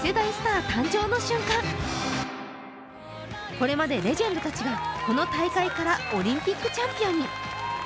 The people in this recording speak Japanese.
これまでレジェンドたちがこの大会からオリンピックチャンピオンに。